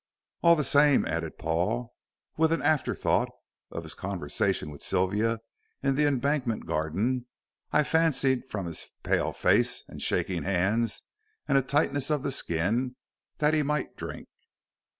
All the same," added Paul, with an after thought of his conversation with Sylvia in the Embankment garden, "I fancied, from his pale face and shaking hands, and a tightness of the skin, that he might drink."